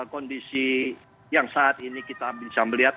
kondisi yang saat ini kita bisa melihat